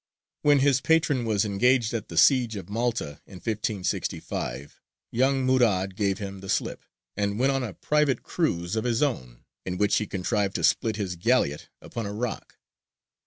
When his patron was engaged at the siege of Malta in 1565, young Murād gave him the slip, and went on a private cruise of his own, in which he contrived to split his galleot upon a rock.